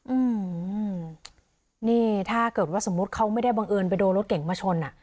อืมนี่ถ้าเกิดว่าสมมุติเขาไม่ได้บังเอิญไปโดนรถเก่งมาชนอ่ะ